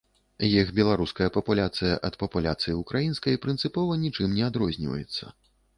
Іх беларуская папуляцыя ад папуляцыі ўкраінскай прынцыпова нічым не адрозніваецца.